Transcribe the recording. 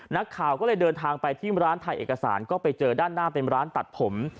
นักข่าวก็เลยเดินทางไปที่ร้านถ่ายเอกสารก็ไปเจอด้านหน้าเป็นร้านตัดผม